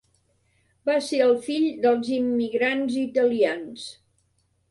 Va ser el fill dels immigrants italians.